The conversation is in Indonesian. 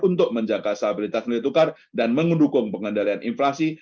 untuk menjaga stabilitas nilai tukar dan mendukung pengendalian inflasi